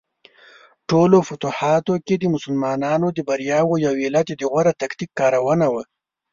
ټولو فتوحاتو کې د مسلمانانو د بریاوو یو علت د غوره تکتیک کارونه وه.